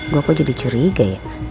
gue kok jadi curiga ya